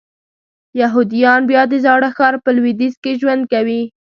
یهودیان بیا د زاړه ښار په لویدیځ کې ژوند کوي.